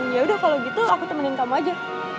yaudah kalau gitu aku temenin kamu aja